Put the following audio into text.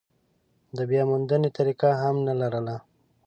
د بیاموندنې طریقه هم نه لرله.